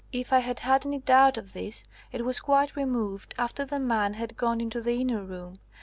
If I had had any doubt of this, it was quite removed after the man had gone into the inner room.